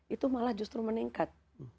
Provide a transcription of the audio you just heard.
itu malah justru meningkat